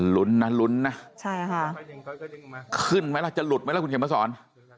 ลุ้นนะลุ้นนะขึ้นไหมล่ะจะหลุดไหมล่ะคุณเข็มพระสร